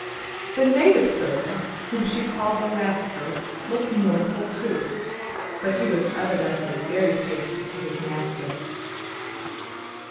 The native servant, whom she called the Lascar, looked mournful too, but he was evidently very faithful to his master.